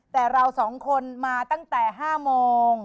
แต่เราสองคนมาตั้งแต่๕โมง